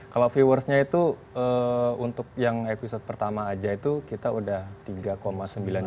kalau viewersnya itu untuk yang episode pertama aja itu kita udah tiga sembilan juta